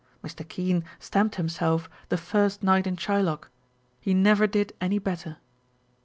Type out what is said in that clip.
Mr. Kean stamped himself the first night in Shylock ; he never did any better.